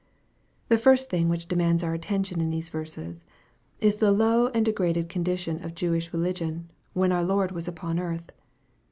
The first thing which demands oar attention in these verses, is the low and degraded condition of Jewish religion, when our Lord was upon earth.